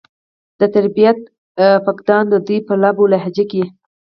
د تربيت فقدان د دوي پۀ لب و لهجه کښې